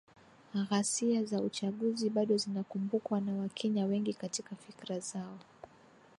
Ghasia za uchaguzi bado zinakumbukwa na Wakenya wengi katika fikra zao.